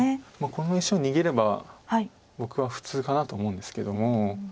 この石を逃げれば僕は普通かなと思うんですけども。